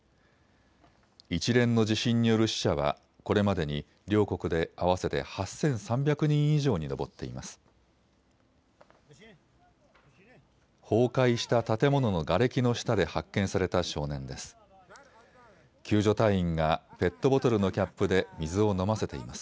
一連の地震による死者はこれまでに両国で合わせて８３００人以上に上っています。